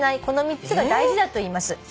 この３つが大事だと言います」